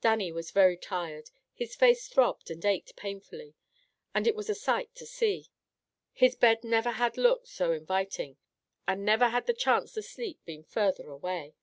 Dannie was very tired, his face throbbed and ached painfully, and it was a sight to see. His bed never had looked so inviting, and never had the chance to sleep been further away.